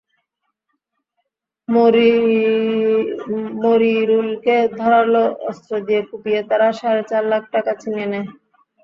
মরিরুলকে ধারালো অস্ত্র দিয়ে কুপিয়ে তারা সাড়ে চার লাখ টাকা ছিনিয়ে নেয়।